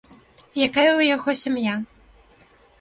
Якая ў яго сям'я?